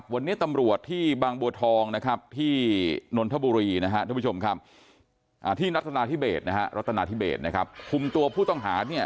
วันนี้ตำรวจที่ที่บางบัวทองที่นทบุรีที่พระพุทธคุมตัวผู้ต้องหา